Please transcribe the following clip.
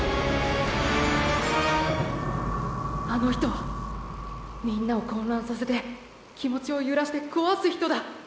あの人はみんなを混乱させて気持ちを揺らして壊す人だ。